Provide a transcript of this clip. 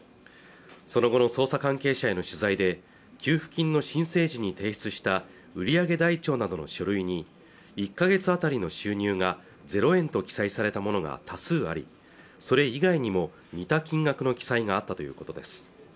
その後の捜査関係者への取材で給付金の申請時に提出した売上台帳などの書類に１か月あたりの収入が０円と記載されたものが多数ありそれ以外にも似た金額の記載があったということです